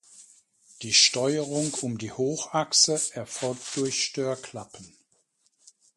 Die Steuerung um die Hochachse erfolgt durch Störklappen.